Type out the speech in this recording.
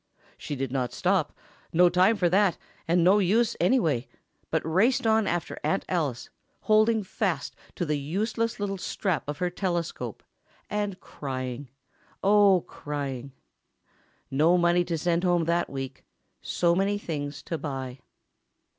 She did not stop—no time for that, and no use, anyway—but raced on after Aunt Alice, holding fast to the useless little strap of the telescope, and crying—oh, crying. No money to send home that week—so many things to buy.